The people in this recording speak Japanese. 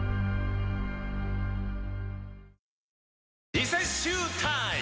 リセッシュータイム！